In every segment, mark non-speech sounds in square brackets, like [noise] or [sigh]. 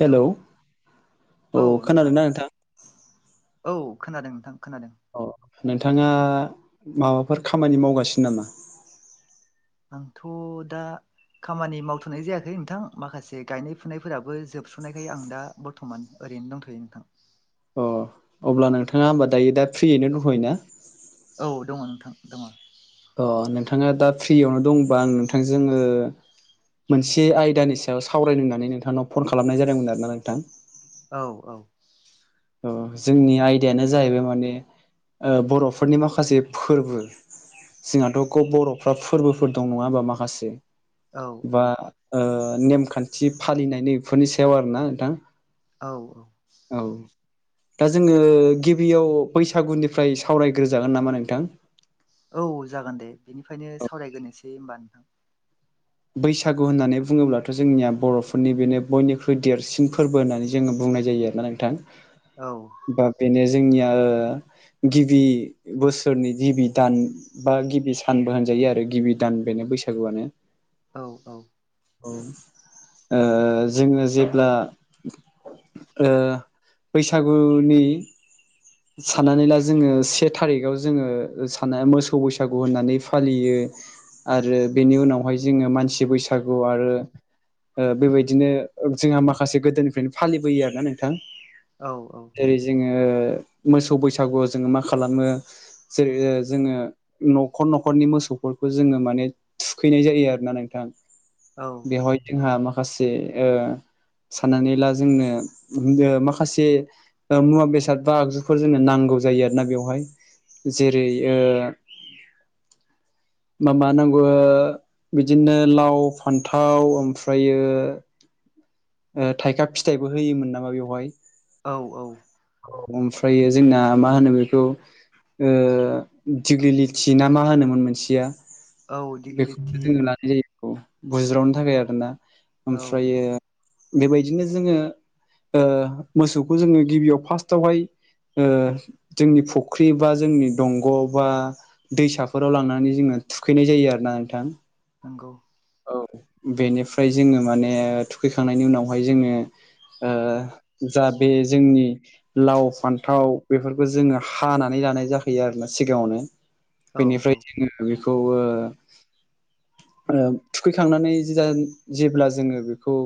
Hello औ नोंथां। औ खोनादों नोंथां खोनादों। अ नोंथाङा माबाफोर खामानि मावगासिनो नामा? आंथ' दा खामानि मावथ'नाय जायाखै नोंथां माखासे गायनाय फुनायफोराबो जोबस्र'नायखाय आं दा बर्थमान ओरैनो दंथ'यो नोंथां। अ अब्ला नोंथाङा होमबा दायो दा फ्रियैनो दंथ'यो ना? औ दङ नोंथां दङ अ नोंथाङा दा फ्रियावनो दंबा आं नोंथांजों ओ मोनसे आयदानि सायाव सावरायनोनानै नोंथांनाव फन खालामनाय जादोंमोन आरो ना नोंथां औ औ ओ जोंनि आयदायानो जाहैबाय माने ओ बर'फोरनि माखासे फोरबो जोंहाथ' ग बर'फ्रा फोरबोफोर दं नङा होमबा माखासे औ बा औ ओ नेमखान्थि फालिनायनि इफोरनि सायाव आरोना नोंथां औ औ औ दा जोङो गिबियाव बैसागुनिफ्राय सावरायग्रोजागोन नामा नोंथां? औ जागोन दे बेनिफ्रायनो सावरायग्रोनोसै होमबा नोंथां बैसागु होननानै बुङोब्लाथ' जोंनिया बर'फोरनि बेनो बयनिख्रुइ देरसिन फोरबो होननानै जोङो बुंनाय जायो ना नोंथां औ बा बेनो जोंनिया ओ गिबि बोसोरनि गिबि दान बा गिबि सानबो होनजायो आरो गिबि दान बेनो बैसागुआनो औ औ ओ जोङो जेब्ला ओ बैसागुनि साननानै ला जोङो से थारिखाव जोङो सान [unintelligible] मोसौ बैसागु होननानै फालियो आरो बेनि उनावहाय जोङो मानसि बैसागु आरो ओ बेबायदिनो जोंहा माखासे गोदोनिफ्रायनो फालिबोयो आरोना नोंथां औ औ जेरै जोङो मोसौ बैसागुआव जोङो मा खालामो जेरै जोङो न'खर न'खरनि मोसौफोरखौ जोङो माने थुखैनाय जायो आरोना नोंथां औ बेवहाय जोंहा माखासे ओ साननानै ला जोंनो ओ माखासे ओ मुवा बेसाद बा आगज फोर जोंनो नांगौ जायो आरोना बेवहाय जेरै ओ मा-मा नांगौ ओ बिदिनो लाव फान्थाव ओमफ्रायो ओ थाइखा फिथाइबो होयोमोन नामा बेवहाय औ औ औ ओमफ्रायो जोंना मा होनो बेखौ ओ दिग्लिलिथि ना मा होनोमोन मोनसेया औ बेखौनो दिगिलिटि जोङो लानाय जायो बुज्रावनो थाखाय आरोना औ ओमफ्रायो बेबायदिनो जोङो ओ मोसौखौ जोङो गिबियाव फार्स्टआवहाय ओ जोंनि फुख्रि बा जोंनि दंग'आव बा दैसाफोराव लांनानै जोङो थुखैनाय जायो आरो ना नोंथां नोंगौ औ बेनिफ्राय जोङो माने थुखैखांनायनि उनावहाय जोङो ओ जा बे जोंनि लाव फान्थाव बेफोरखौ जोङो हानानै लानाय जाखोयो आरोना सिगाङावनो औ औ बेनिफ्राय जोङो बेखौ ओ ओ थुखैखांनानै जा [unintelligible] जेब्ला जोङो बेखौ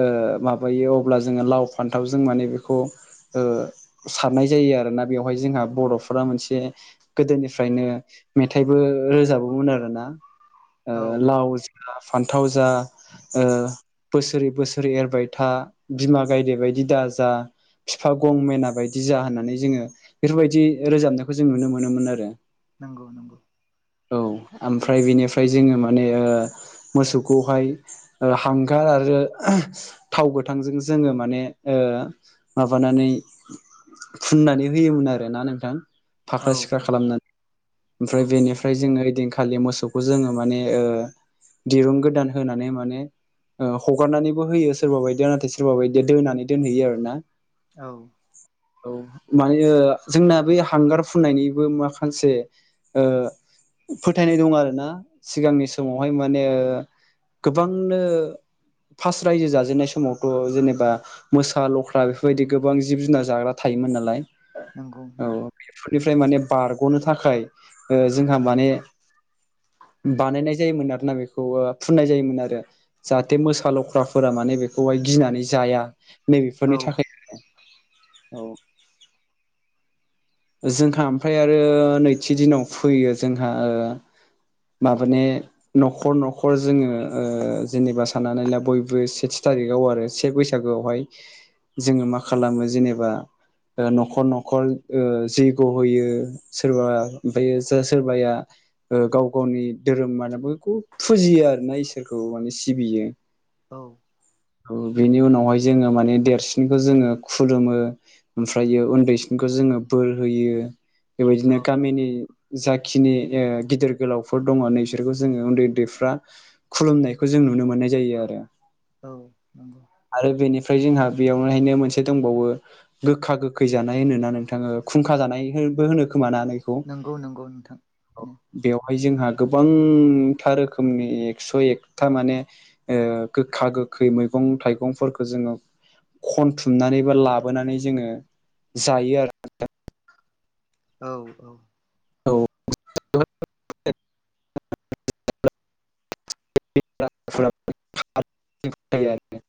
ओ माबायो अब्ला जोङो लाव फान्थावजों माने बेखौ ओ सारनाय जायो आरोना बेवहाय जोंहा बर'फोरा मोनसे गोदोनिफ्रायनो मेथाइबो रोजाबोमोन आरोना ओ औ लाव [unintelligible] फान्थाव जा ओ बोसोरै बोसोरै एरबाय था बिमा गायदे बायदि दा जा बिफा गंमेना बायदि जा होननानै जोङो बेफोरबायदि रोजाबनायखौ जों नुनो मोनोमोन आरो। नंगौ नंगौ। औ ओमफ्राय बिनिफ्राय जोङो माने ओ मोसौखौहाय हांगार आरो। थाव गोथांजों जोङो माने ओ माबानानै फुननानै होयोमोन आरोना नोंथां। फाख्रा औ सिख्रा औ खालामनानै औ ओमफ्राय बेनिफ्राय जोङो ओइदिनखालि मोसौखौ जोङो माने ओ दिरुं गोदान होनानै माने ओ हगारनानैबो होयो सोरबा बायदिया नाथाय सोरबा बायदिया दोनानै दोनहैयो आरो ना। औ औ माने जोंना बे हांगार फुननायनिबो माखासे ओ फोथायनाय दं आरोना सिगांनि समावहाय मा माने गोबांनो फास्ट रायजो जाजेननाय समावथ' जेनेबा मोसा लख्रा बेफोरबायदि गोबां जिब जुनार जाग्रा थायोमोन नालाय नंगौ औ नंगौ बेफोरनिफ्राय माने बारग'नो थाखाय जोंहा माने बानायनाय जायोमोन ना बेखौ फुननाय जायोमोन आरो। जाहाथे मोसा लख्राफोरा माने बेखौहाय गिनानै जाया नैबेफोरनि औ थाखाय औ जोंहा ओमफ्राय आरो नैथि दिनाव फैयो जोंहा ओ माबाने न'खर न'खर जोङो ओ जेनेबा साननानै ला बयबो सेथि थारिखाव आरो से बैसागोआवहाय जोङो मा खालामो जेनेबा न'खर न'खर जैग्य होयो सोरबा ओमफ्रायो जा सोरबाया गाव गावनि धोरोम माने बेखौ फुजियो आरो ना इसोरखौ माने सिबियो। औ औ बेनि उनावहाय जोङो माने देरसिनखौ जोङो खुलुमो। ओमफ्रायो उन्दैसिनखौ जोङो बोर होयो बेबायदिनो औ गामिनि जाखिनि गिदिर गोलावफोर दङ नोंसोरखौ जोङो उन्दै उन्दैफ्रा खुलुमनायखौ जों नुनो मोननाय जायो आरो। औ नंगौ। आरो बेनिफ्राय जोंहा बेयावनोहायनो मोनसे दंबावो गोखा गोखै जानाय होनो ना नोंथां खुंखा जानायबो होनो खोमा ना? नंगौ नंगौ नोंथां। बेवहाय जोंहा गोबांथा रोखोमनि एकस' एकथा माने ओ गोखा गोखै मैगं थाइगं मैगंफोरखौ जोङो खनथुमनानै बा लाबोनानै जोङो जायो आरो। औ औ। औ [unintelligible]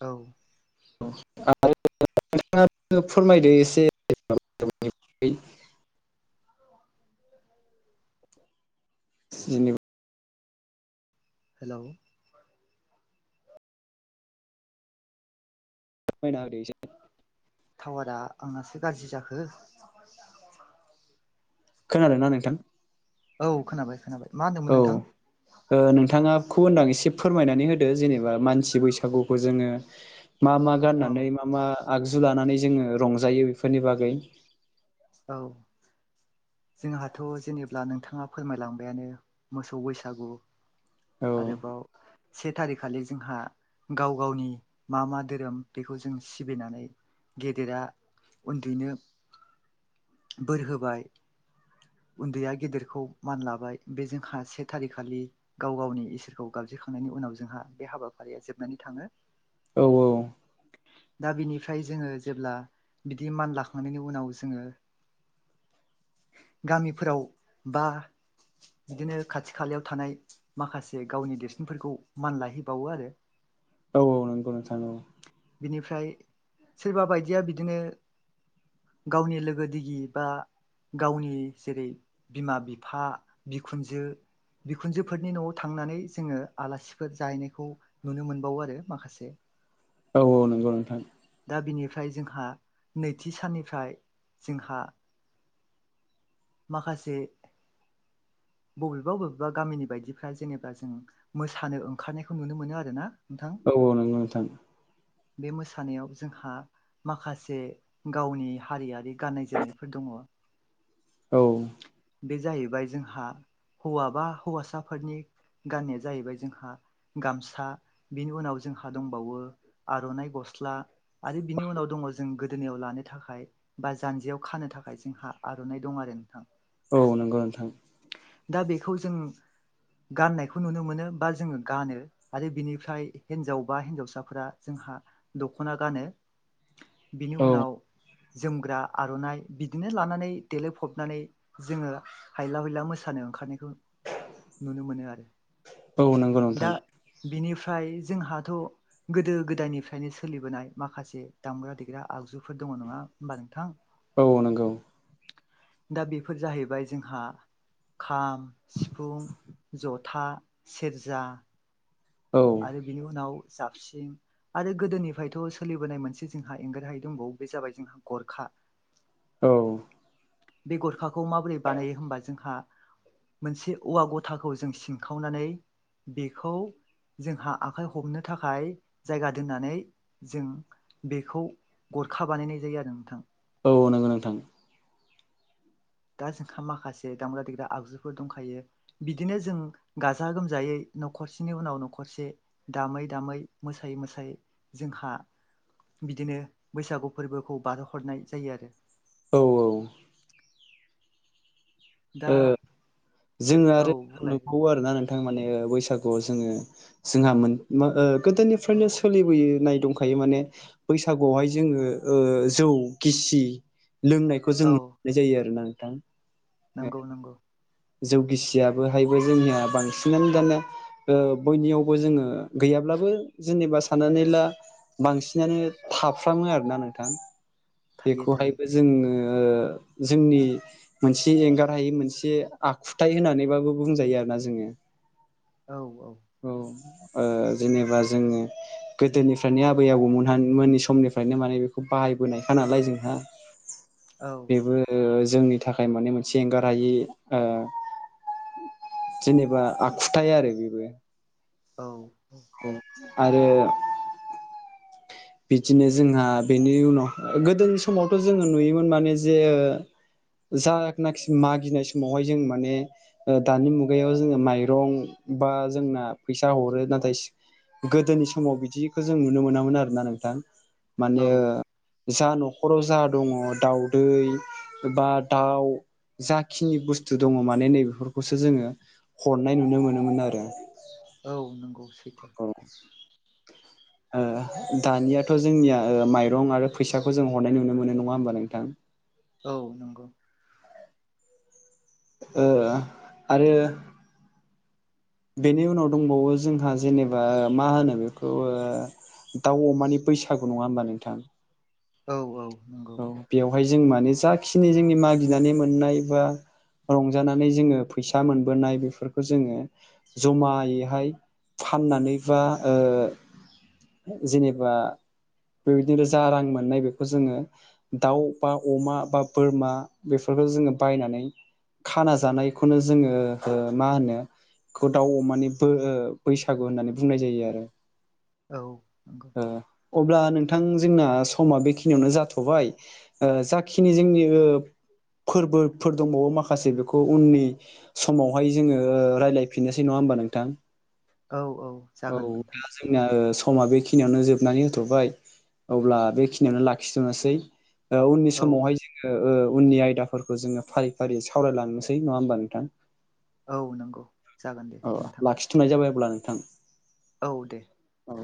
औ [unintelligible] फोरमायदो एसे जिनिबा हेलौ मायै टावारा आंनासो गाज्रि जाखो खोनादों ना नोंथां? औ खोनाबाय खोनाबाय मा औ होनदोंमोन नोंथां? नोंथाङाखौ होनदां एसे फोरमायनानै होदो जेनेबा मानसि बैसागुखौ जोङो मा मा औ गाननानै मा मा आगजु लानानै जोङो रंजायो? फोरनि बागै औ जोंहाथ' जेनेब्ला नोंथाङा फोरमाय लांबायानो मोसौ बैसागु औ आरोबाव से थारिख खालि जोंहा गाव गावनि मा मा धोरोम बेखौ जों सिबिनानै गेदेरा उन्दैनो बोर होबाय उन्दैया गेदेरखौ मान लाबाय बे जोंहा से थारिखालि गाव गावनि इसोरखौ गाबज्रिखांनायनि उनाव जोंहा बे हाबाफारिया जोबनानै थाङो औ औ दा बिनिफ्राय जोंङो जेब्ला बिदि मान लाखांनायनि उनाव जोंङो गामिफोराव बा बिदिनो खाथि खालायाव थानाय माखासे गावनि देरसिनफोरखौ मान लाहैबावो आरो औ औ नंगौ नोंथां औ बिनिफ्राय सोरबा बायदिया बिदिनो गावनि लोगो दिगि बा गावनि जेरै बिमा बिफा बिखुनजो बिखुनजोफोरनि न'आव थांनानै जोंङो आलासिफोर जाहैनायखौ नुनो मोनबावो आरो माखासे औ औ नंगौ नोंथां दा बिनिफ्राय जोंहा नैथि साननिफ्राय जोंहा माखासे बबेबा बबेबा गामिनि बायदिफ्रा जेनेबा जों मोसानो ओंखारनायखौ नुनो मोनो आरोना नोंथां औ औ नोंगौ नोंथां बे मोसानायाव जोंहा माखासे गावनि हारियारि गाननाय जोमनायफोर दङ औ बे जाहैबाय जोंहा हौवा बा हौवासाफोरनि गाननाया जाहैबाय जोंहा गामसा बिनि उनाव जोंहा दंबावो आर'नाइ गस्ला आरो बिनि उनाव दङ जों गोदोनायाव लानो थाखाय बा जानजियाव खानो थाखाय जोंहा आर'नाइ दं आरो नोंथां। औ नंगौ नोंथां दा बेखौ जों गाननायखौ नुनो मोनो बा जोंङो गानो आरो बिनिफ्राय हिनजाव बा हिन्जावसाफोरा जोंहा दख'ना गानो बिनि औ उनाव जोमग्रा आर'नाइ बिदिनो लानानै देलायफबनानै जोंङो हायला हयला मोसानो ओंखारनायखौ नुनो मोनो आरो। औ नंगौ दा नोंथां बिनिफ्राय जोंहाथ' गोदो गो दायनिफ्रायनो सोलिबोनाय माखासे दामग्रा देग्रा आगजुफोर दङ नङा होमबा नोंथां औ नंगौ दा बेफोर जाहैबाय जोंहा खाम सिफुं जथा सेरजा औ आरो बिनि उनाव जाबस्रिं आरो गोदोनिफ्रायथ' सोलिबोनाय मोनसे जोंहा एंगारहायै दंबावो बे जाबाय जोंहा गरखा औ बे गरखाखौ माबोरै बानायो होमबा जोंहा मोनसे औवा गथाखौ जों सिनखावनानै बेखौ जोंहा आखाइ हमनो थाखाय जायगा दोननानै जों बेखौ गरखा बानायनाय जायो आरो नोंथां। औ नंगौ नोंथां। दा जोंहा माखासे दामग्रा देग्रा आगजुफोर दंखायो। बिदिनो जों गाजा गोमजायै न'खरसेनि उनाव न'खरसे दामै दामै मोसायै मोसायै जोंहा बिदिनो बैसागु फोरबोखौ बारहोहरनाय जायो आरो। औ औ दा ओ जोङो औ आरो बुंलाय नुबावो आरोना नोंथां माने ओ बैसागुआव जोङो जोंहा मोन म ओ गोदोनिफ्रायनो सोलिबोयो नाय दंखायो माने बैसागुआव हाय जोङो ओ जौ गिसि लोंनायखौ जों औ नुनाय जायो आरो ना नोंथां। नंगौ नंगौ। जौ गिसियाबोहायबो जोंनिया बांसिनानो दाना ओ बयनियावबो जोङो गैयाब्लाबो जेनेबा सा साननानै ला बांसिनानो थाफ्रामो आरोना नोंथां थायो थायो बेखौहायबो जोङो जोंनि मोनसे एंगार हायै मोनसे आखुथाय होनानैबाबो बुंजायो आरो ना जोङो। औ औ। औ ओ जेनेबा जोङो गोदोनिफ्रायनो आबै आबौमोनहा मोननि समनिफ्रायनो माने बेखौ बाहायबोनायखा नालाय जों हा औ बेबो जोंनि थाखाय माने मोनसे एंगार हायि ओ जेनेबा आखुथाय आरो बेबो। औ आरो बिदिनो जोंहा बेनि उनाव गोदोनि समावथ' जोङो नुयोमोन माने जे ओ जानाखि मागिनाय समाव हाय जों माने ओ दानि मुगायाव जोङो माइ मायरं बा जोंना फैसा हरो नाथाय सि गोदोनि समाव बिदिखौ जों नुनो मोनामोन आरोना नों थां औ माने ओ जा न'खराव जा दङ दाउदै बा दाउ जाखिनि बुस्थु दङ माने नैबेेफोरखौसो जोङो हरनाय नुनो मोनोमोन आरो। औ नंगौ। सैथो [inaudible] ओ दानियाथ' जोंनिया ओ माइरं आरो फैसाखौ जों हरनाय नुनो मोनो नङा होमबा नोंथां। औ नंगौ। ओ आरो बेनि उनाव दंबावो जोंहा जेनेबा ओ मा होनो बेखौ ओ दाउ अमानि बैसागु नङा होमबा नोंथां? औ औ। औ बेवहाय जों माने जाखिनि जोंनि मागिनानै मोननाय बा रंजानानै जोङो फैसा मोनबोनाय बेफोरखौ जोङो जमायैहाय फाननानै बा ओ जेनेबा बेबायदिनो जा रां मोननाय बेखौ जोङो दाउ बा अमा बा बोरमा बेफोरखौ जोङो बायनानै खाना जानायखौनो जोङो ओ मा होनो खौ दाउ अमानि बो ओ बैसागु होननानै बुंनाय जायो आरो। औ नंगौ। ओ अब्ला नोंथां जोंना समा बेखिनियावनो जाथ'बाय। ओ जाखिनि जोंनि ओ फोरबोफोर दंबावो माखासे बेखौ उननि समावहाय जोङो रायलायफिननोसै नङा होमबा नोंथां? औ औ। औ जागोन नोंथां दा जोंनिया ओ समा बेखिनियावनो जोबनानै होथ'बाय। अब्ला बेखिनियावनो लाखिथ'नोसै। ओ उननि औ समावहाय जोङो ओ उननि आयदाफोरखौ जोङो फारि फारि सावरायलांनोसै नङा होमबा नोंथां? औ नंगौ। जागोन दे अ नोंथां लाखिथ'नाय जाबाय अब्ला नोंथां। औ दे। औ।